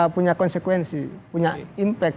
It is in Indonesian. punya konsekuensi punya impact